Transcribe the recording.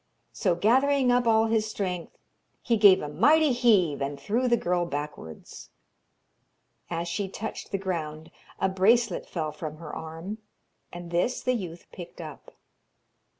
So gathering up all his strength, he gave a mighty heave, and threw the girl backwards. As she touched the ground a bracelet fell from her arm, and this the youth picked up.